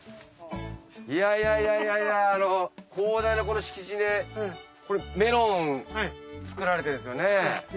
いやいやいや広大なこの敷地でメロン作られてるんですよね。